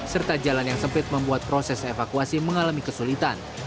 serta jalan yang sempit membuat proses evakuasi mengalami kesulitan